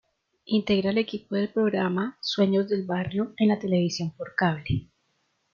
Integra el equipo del programa "Sueños de barrio" en la televisión por cable.